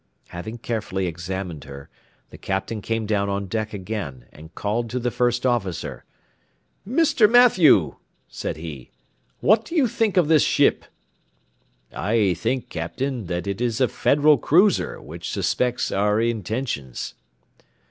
After having carefully examined her, the Captain came down on deck again, and called to the first officer. "Mr. Mathew," said he, "what do you think of this ship?" "I think, Captain, that it is a Federal cruiser, which suspects our intentions."